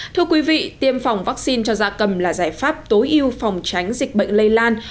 thưa quý vị tiêm phòng vaccine cho dạ cầm là giải pháp tối ưu phòng tránh dịch bệnh lây lan